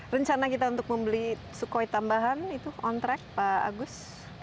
rencana kita untuk membeli sukhoi tambahan itu on track pak agus